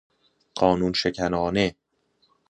قانون شکنانه